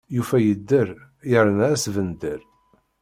Yufa yedder, yerna asbender.